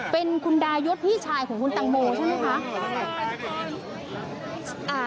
เป็นคุณดายศพี่ชายของคุณตังโมใช่ไหมคะ